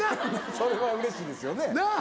それはうれしいですよね。なぁ。